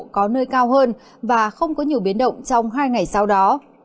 có nơi cao hơn và không có nhiều biến động trong hai ngày sau đó